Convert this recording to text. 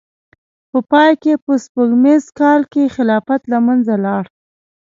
په پای کې په سپوږمیز کال کې خلافت له منځه لاړ.